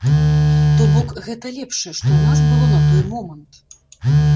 То бок, гэта лепшае, што ў нас было на той момант.